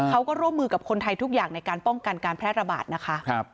เขาก็ร่วมมือกับคนไทยทุกอย่างในการป้องกันการแพร่ระบาดนะคะ